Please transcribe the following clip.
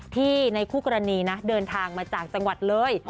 ในคู่กรณีนะเดินทางมาจากจังหวัดเลย